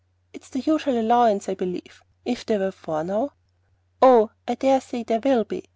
"It's the usual allowance, I believe. If there were four, now " "Oh, I dare say there will be.